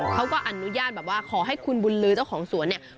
เขาก็อนุญาตแบบว่าขอให้คุณบุญลือเจ้าของสวนเนี่ย